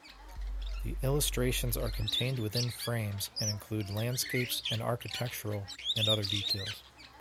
The illustrations are contained within frames and include landscapes and architectural and other details.